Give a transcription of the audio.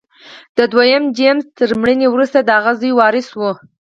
د دویم جېمز تر مړینې وروسته د هغه زوی وارث و.